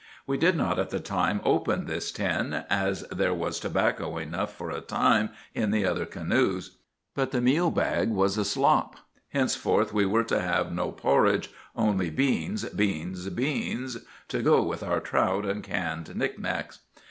We did not at the time open this tin, as there was tobacco enough for a time in the other canoes. But the meal bag was a slop. Henceforth we were to have no porridge, only beans, beans, beans, to go with our trout and canned knickknacks.